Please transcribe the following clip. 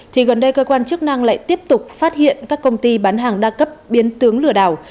thì gần đây cơ quan chức năng lại tiếp tục phát hiện các công ty bán hàng đa cấp biến tướng lừa đảo